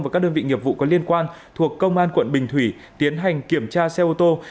và các đơn vị nghiệp vụ có liên quan thuộc công an quận bình thủy tiến hành kiểm tra xe ô tô